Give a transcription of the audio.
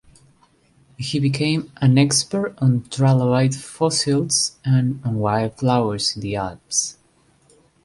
He became an expert on trilobite fossils and on wildflowers in the Alps.